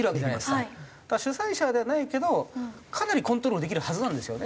主催者ではないけどかなりコントロールできるはずなんですよね。